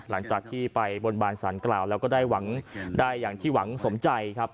หลังจากที่ไปบนบานสารกล่าวแล้วก็ได้หวังได้อย่างที่หวังสมใจครับ